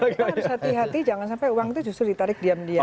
kita harus hati hati jangan sampai uang itu justru ditarik diam diam